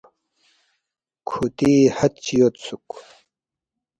کُھوتی حد چی یودسُوک